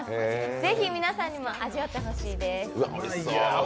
ぜひ皆さんにも味わってほしいです。